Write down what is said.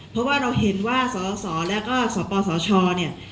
เพราะว่าเราเห็นว่าสสแล้วก็สปสชเนี่ย